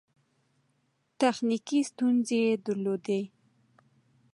تخنیکي ستونزې یې درلودې.